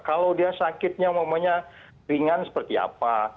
kalau dia sakitnya umumnya ringan seperti apa